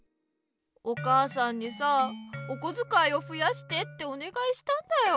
お母さんにさおこづかいをふやしてっておねがいしたんだよ。